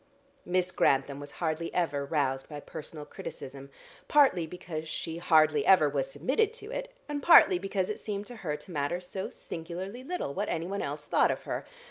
Miss Grantham was hardly ever roused by personal criticism, partly because she hardly ever was submitted to it, and partly because it seemed to her to matter so singularly little what anyone else thought of her.